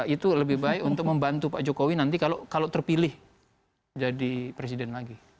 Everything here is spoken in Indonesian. itu lebih baik untuk membantu pak jokowi nanti kalau terpilih jadi presiden lagi